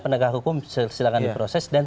penegak hukum silahkan diproses dan